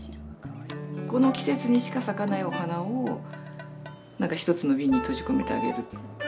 この季節にしか咲かないお花を何か一つのビンに閉じ込めてあげる。